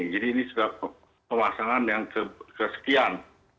jadi ini sudah pemasangan yang kesekian